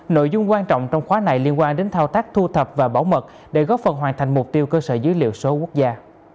nội dung quan trọng trong khóa này liên quan đến thao tác thu thập và bảo mật để góp phần hoàn thành mục tiêu cơ sở dữ liệu số quốc gia